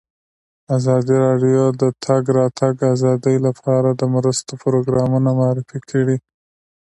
ازادي راډیو د د تګ راتګ ازادي لپاره د مرستو پروګرامونه معرفي کړي.